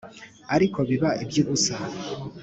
ariko biba iby'ubusa.